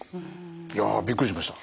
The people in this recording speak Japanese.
いやびっくりしました。